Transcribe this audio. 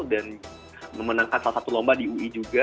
dan memenangkan salah satu lomba di ui juga